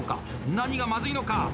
何がまずいのか？